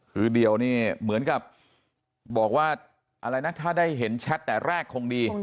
คือเดียวนี่เหมือนกับบอกว่าอะไรนะถ้าได้เห็นแชทแต่แรกคงดี